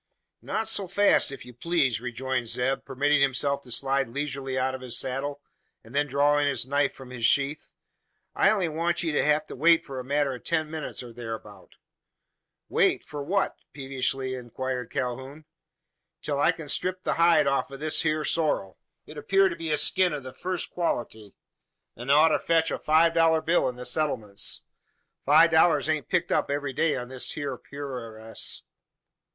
"Not so fast, if you pleeze," rejoined Zeb, permitting himself to slide leisurely out of his saddle, and then drawing his knife from his sheath. "I'll only want ye to wait for a matter o' ten minutes, or thereabout." "Wait! For what?" peevishly inquired Calhoun. "Till I kin strip the hide off o' this hyur sorrel. It appear to be a skin o' the fust qualerty; an oughter fetch a five dollar bill in the settlements. Five dollar bills ain't picked up every day on these hyur purayras."